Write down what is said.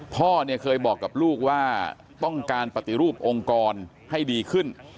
พ่อเนี่ยเคยบอกกับลูกว่าต้องการปฏิรูปองค์กรให้ดีขึ้น